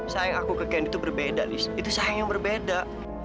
sayang aku ke kan itu berbeda lish itu sayang yang berbeda